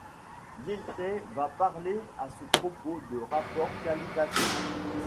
Dilthey va parler à ce propos de rapport qualitatif.